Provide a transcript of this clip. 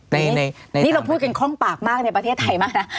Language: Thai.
นี่เราพูดกันคล่องปากมากในประเทศไทยมากนะ